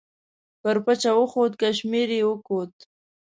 پر پچه وخوت کشمیر یې وکوت.